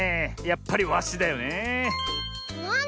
やっぱりワシだよねえ。